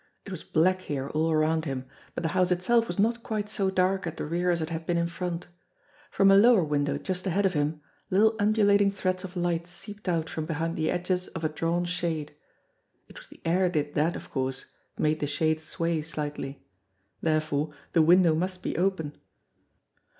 It was black here all around him, but the house itself was not quite so dark at the rear as it had been in front ! From a lower window just ahead of him little undulating threads of light seeped out from behind the edges of a drawn shade. It was the air did that, of course made the shade sway slightly. There fore the window must be open.